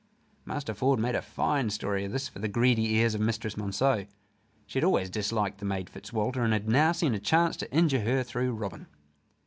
Master Ford made a fine story of this for the greedy ears of Mistress Monceux. She had always disliked the maid Fitzwalter; and had now seen a chance to injure her through Robin.